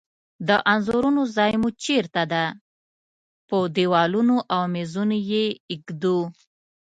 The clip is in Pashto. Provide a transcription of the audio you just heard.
د انځورونو ځای مو چیرته ده؟ په دیوالونو او میزونو یی ایږدو